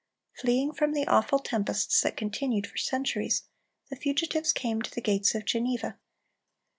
Fleeing from the awful tempests that continued for centuries, the fugitives came to the gates of Geneva.